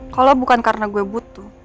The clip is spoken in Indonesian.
kalau bukan karena gue butuh